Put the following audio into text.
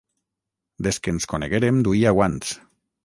Des que ens coneguérem duia guants.